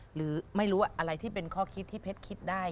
หรือไม่รู้อะไรที่เป็นข้อคิดที่เพชรคิดได้